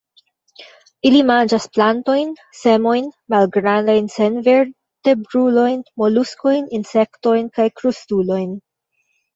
Ili manĝas plantojn, semojn, malgrandajn senvertebrulojn, moluskojn, insektojn kaj krustulojn.